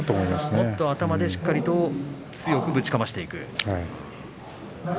もっと頭でしっかり強くぶちかましていく。